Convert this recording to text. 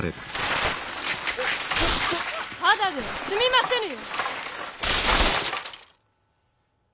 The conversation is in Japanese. ただでは済みませぬよ！